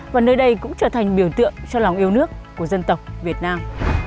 và nơi đây cũng trở thành biểu tượng cho lòng yêu nước của dân tộc việt nam